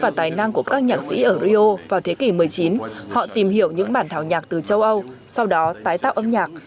và tài năng của các nhạc sĩ ở rio vào thế kỷ một mươi chín họ tìm hiểu những bản thảo nhạc từ châu âu sau đó tái tạo âm nhạc